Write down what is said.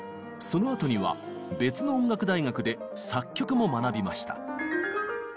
そのあとには別の音楽大学で作曲も学びました。